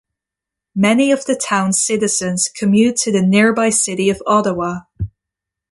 Many of the town's citizens commute to the nearby city of Ottawa.